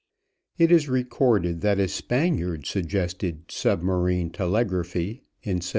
It is recorded that a Spaniard suggested submarine telegraphy in 1795.